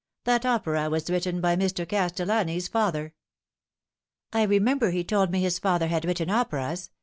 That opera was written by Mr. Castel lani's father." " I remember he told me his father had written operas.